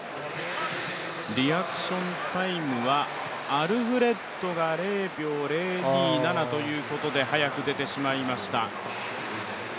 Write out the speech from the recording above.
リアクションタイムはアルフレッドが０秒０２７ということで早く出てしまいました。